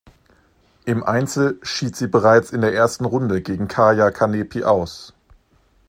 Im Einzel schied sie bereits in der ersten Runde gegen Kaia Kanepi aus.